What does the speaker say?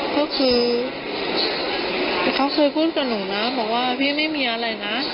ก็คือแต่เขาเคยพูดกับหนูนะบอกว่าพี่ไม่มีอะไรนะ